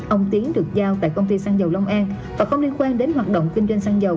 ông tiến được giao tại công ty xăng dầu long an và không liên quan đến hoạt động kinh doanh xăng dầu